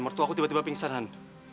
mertua aku tiba tiba pingsan